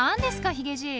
ヒゲじい。